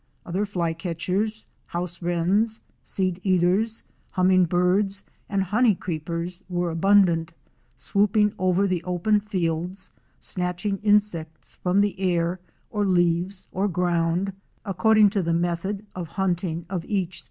0¥ 1% ™ other Flycatchers, House Wrens,' Seedeaters, Hummingbirds and Honey Creepers were abundant, swooping over the open fields, snatching insects from the air, or leaves, or ground, according to the method of hunting of each species.